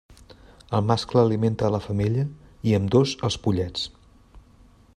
El mascle alimenta a la femella i ambdós als pollets.